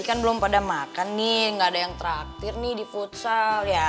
ini kan belum pada makan nih gak ada yang traktir nih di foodshel ya